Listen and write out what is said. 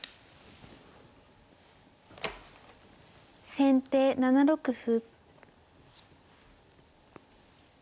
先手７六歩。